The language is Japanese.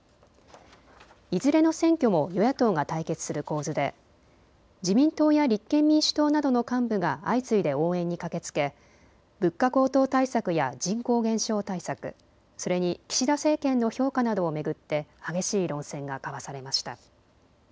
いずれの選挙も与野党が対決する構図で自民党や立憲民主党などの幹部が相次いで応援に駆けつけ物価高騰対策や人口減少対策、それに岸田政権の評価などを巡って激しい論戦が交わされました。